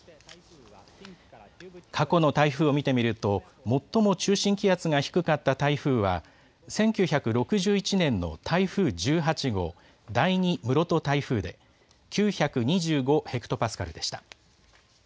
過去の台風を見てみると、最も中心気圧が低かった台風は、１９６１年の台風１８号、第二室戸台風で、９２５ヘクトパスカルでした。